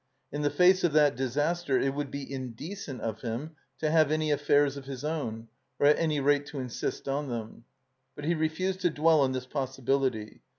In the face of that disaster it would be indecent of him to have any affairs of his own, or at any rate to insist on them. But he refused to dwell on this possibility.